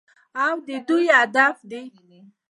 او د دوی هدف دی.